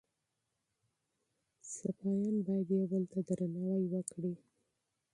سپایان باید یو بل ته درناوی وکړي.